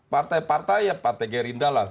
partai partai ya partai gerindra lah